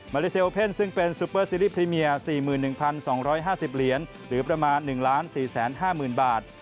เลเซลเพ่นซึ่งเป็นซูเปอร์ซีรีสพรีเมีย๔๑๒๕๐เหรียญหรือประมาณ๑๔๕๐๐๐บาท